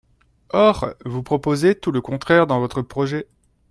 Or vous proposez tout le contraire dans votre projet.